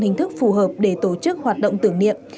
hình thức phù hợp để tổ chức hoạt động tưởng niệm